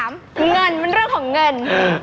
ไม่อ่า๓เงินมันเรื่องของเงิน